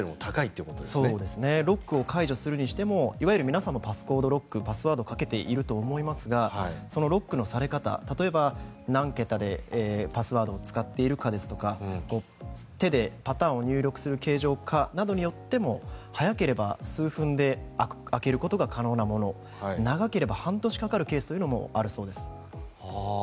ロックを解除するにしてもいわゆる皆さんもパスコードロックパスワードをかけていると思いますがそのロックのされ方例えば何桁でパスワードを使っているかですとか手でパターンを入力する形状かによっても早ければ数分で開けることが可能なもの長ければ半年かかるケースというのもあるそうです。